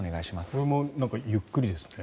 これもゆっくりですね。